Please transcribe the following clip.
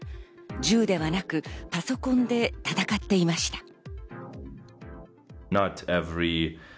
銃ではなくパソコンで戦っていました。